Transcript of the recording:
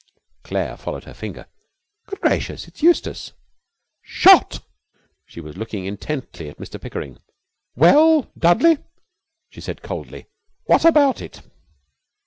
Claire followed her finger. 'Good gracious! It's Eustace!' 'Shot!' She was looking intently at Mr Pickering. 'Well, Dudley,' she said, coldly, 'what about it?'